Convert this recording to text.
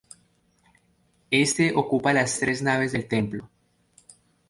Este ocupa las tres naves del templo.